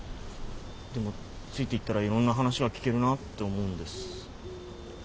でもついていったらいろんな話が聞けるなって思うんです。